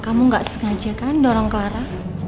kamu gak sengaja kan dorong clara